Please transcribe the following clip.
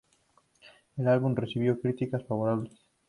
El álbum recibió críticas favorables.